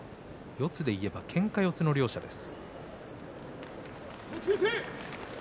四つでいけばけんか四つの両者です。